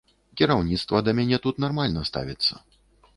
Кіраўніцтва да мяне тут нармальна ставіцца.